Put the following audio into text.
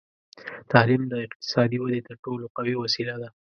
تعلیم د اقتصادي ودې تر ټولو قوي وسیله ده.